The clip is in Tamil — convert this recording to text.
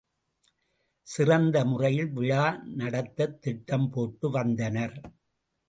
சிறந்த முறையில் விழா நடத்தத் திட்டம் போட்டு வந்தனர்.